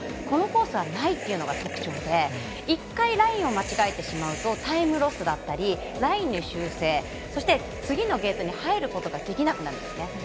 このコースはないというのが特徴で１回ラインを間違えてしまうとタイムロスだったりラインの修正そして次のゲートに入ることができなくなるんですね。